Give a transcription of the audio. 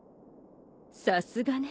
さすがね。